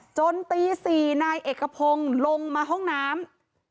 จนตี๔นายเอกพงศ์ลงมาห้องน้ำ